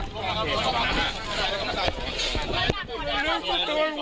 สวัสดีครับ